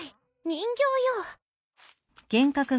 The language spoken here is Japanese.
人形よ。